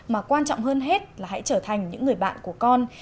mà quan trọng hơn hết là hãy trở thành những người bạn của con